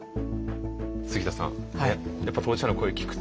杉田さんやっぱ当事者の声を聞くと。